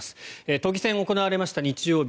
都議選が行われました、日曜日。